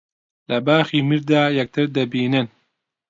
لە باخی میردا یەکتر دەبینن